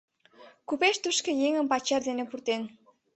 Купеч тушко еҥым пачер дене пуртен.